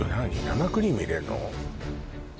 生クリーム入れんの？